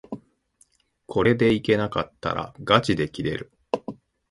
これでいけなかったらがちで切れる